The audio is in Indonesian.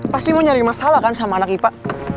pasti mau nyari masalah kan sama anak ipa